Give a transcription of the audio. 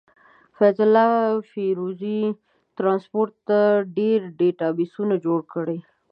فيض الله فيروزي ټرانسپورټ ته ډير ډيټابسونه جوړ کړي.